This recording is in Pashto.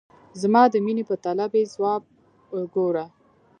زما د میني په طلب یې ځواب ګوره !